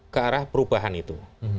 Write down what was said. ke arah perubahan itu